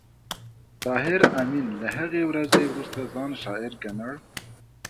طاهر آمین له هغې ورځې وروسته ځان شاعر ګڼل